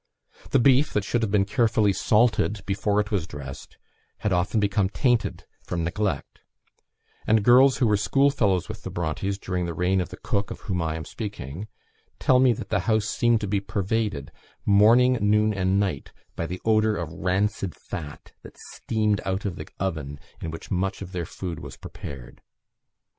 The beef, that should have been carefully salted before it was dressed, had often become tainted from neglect; and girls, who were school fellows with the Brontes, during the reign of the cook of whom I am speaking, tell me that the house seemed to be pervaded, morning, noon, and night, by the odour of rancid fat that steamed out of the oven in which much of their food was prepared.